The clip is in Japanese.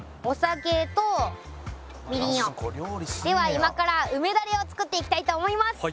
今から梅ダレを作っていきたいと思います。